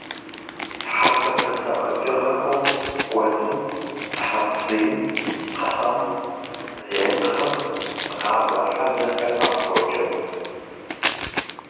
Хьэцэпэцэ къэкӀыгъэхэу гуэдзым, хьэпцӀийм, хъэм, зентхъым гъавэ хьэдзэхэр къапокӀэ.